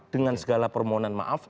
dengan segala permohonan maaf